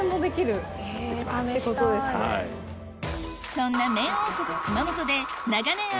そんな麺王国